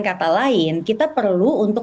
kata lain kita perlu untuk